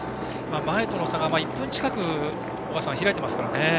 前との差が１分近く開いていますからね。